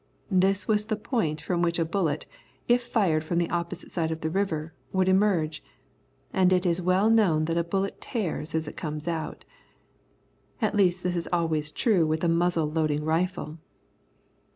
This was the point from which a bullet, if fired from the opposite side of the river, would emerge; and it is well known that a bullet tears as it comes out. At least this is always true with a muzzle loading rifle.